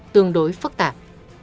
tương đối phức tạp